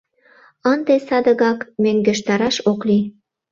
Ынде садыгак мӧҥгештараш ок лий.